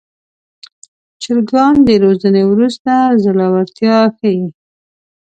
چرګان د روزنې وروسته زړورتیا ښيي.